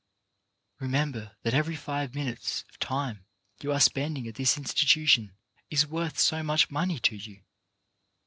Remember that every five minutes of time you are spending at this in stitution is worth so much money to you.